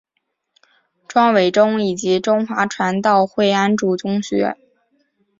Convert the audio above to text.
庄伟忠以及中华传道会安柱中学。